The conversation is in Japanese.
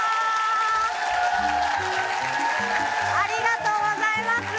ありがとうございます！